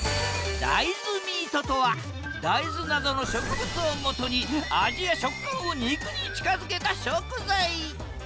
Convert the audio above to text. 大豆ミートとは大豆などの植物をもとに味や食感を肉に近づけた食材！